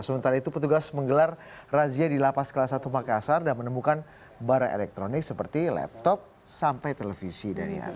sementara itu petugas menggelar razia di lapas kelas satu makassar dan menemukan barang elektronik seperti laptop sampai televisi daniar